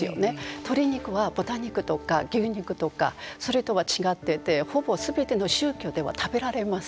鶏肉は豚肉とか牛肉とかそれとは違っててほぼすべての宗教では食べられます。